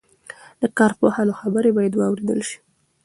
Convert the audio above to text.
د کارپوهانو خبرې باید واورېدل شي.